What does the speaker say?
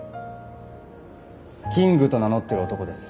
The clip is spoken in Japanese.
キングと名乗ってる男です。